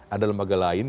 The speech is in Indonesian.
ada lembaga lain